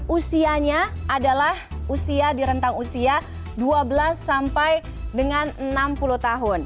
usianya adalah usia di rentang usia dua belas sampai dengan enam puluh tahun